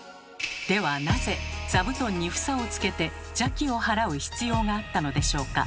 ではなぜ座布団に房をつけて邪気を払う必要があったのでしょうか？